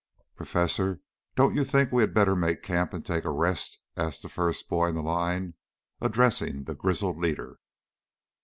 "Professor, don't you think we had better make camp and take a rest?" asked the first boy in the line, addressing the grizzled leader.